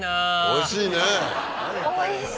おいしい。